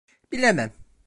Bilemem.